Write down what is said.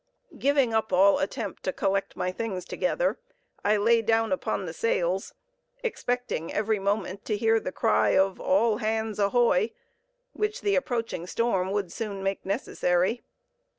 Giving up all attempts to collect my things together, I lay down upon the sails, expecting every moment to hear the cry of "All hands ahoy," which the approaching storm would soon make necessary.